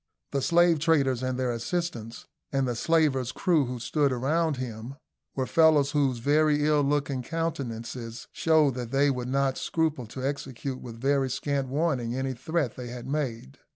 The slave traders and their assistants, and the slavers' crews who stood around him, were fellows whose very ill looking countenances showed that they would not scruple to execute with very scant warning any threat they had made.